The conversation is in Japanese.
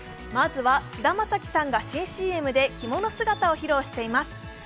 まずは菅田将暉さんが新ＣＭで着物姿を披露しています。